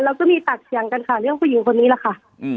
เราก็มีตัดเสียงกันค่ะเรียกว่าผู้หญิงคนนี้ล่ะค่ะ